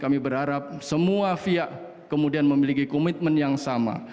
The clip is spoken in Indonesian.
kami berharap semua pihak kemudian memiliki komitmen yang sama